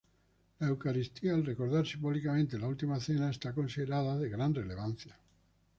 La eucaristía, al recordar simbólicamente La Última Cena, es considerada de gran relevancia.